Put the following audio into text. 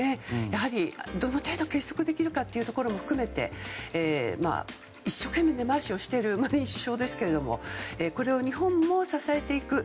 やはりどの程度結束できるかというところも含めて一生懸命根回しをしているマリン首相ですけどこれを日本も支えていく。